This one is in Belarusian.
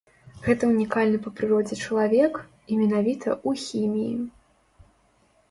Гэта ўнікальны па прыродзе чалавек, і менавіта ў хіміі.